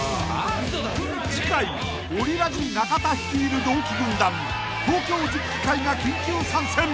［次回オリラジ中田率いる同期軍団東京十期會が緊急参戦］